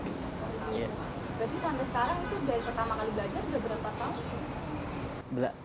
berarti sampai sekarang itu dari pertama kali belajar sudah berapa tahun